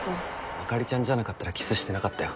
あかりちゃんじゃなかったらキスしてなかったよ